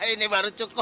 ini baru cukup